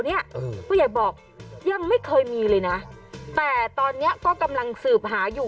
นี่คืออะไรตอนนี้กำลังสื่อหาขันอยู่